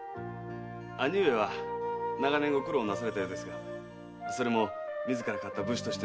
兄上は長年ご苦労なされたようですがそれも自ら買った武士としての修行とか。